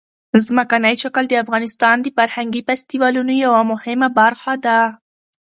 ځمکنی شکل د افغانستان د فرهنګي فستیوالونو یوه مهمه برخه ده.